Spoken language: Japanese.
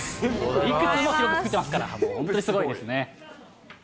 いくつもしてますから、本当にすごいですね。